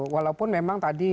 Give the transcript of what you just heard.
walaupun memang tadi